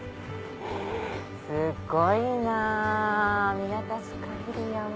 すっごいなぁ見渡す限り山。